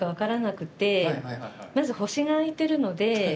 まず星が空いてるので。